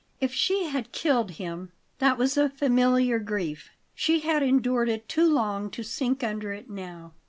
If she had killed him that was a familiar grief; she had endured it too long to sink under it now.